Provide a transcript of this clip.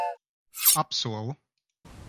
Apsolu.